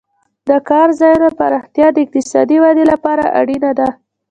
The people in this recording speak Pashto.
د کار ځایونو پراختیا د اقتصادي ودې لپاره اړینه ده.